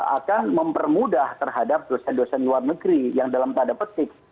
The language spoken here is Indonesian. akan mempermudah terhadap dosen dosen luar negeri yang dalam tanda petik